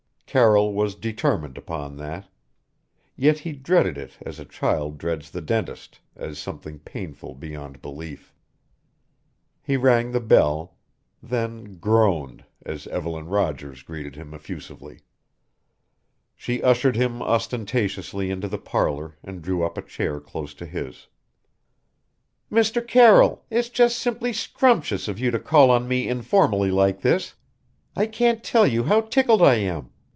Carroll was determined upon that yet he dreaded it as a child dreads the dentist as something painful beyond belief. He rang the bell then groaned as Evelyn Rogers greeted him effusively. She ushered him ostentatiously into the parlor and drew up a chair close to his "Mr. Carroll it's just simply scrumptuous of you to call on me informally like this. I can't tell you how tickled I am.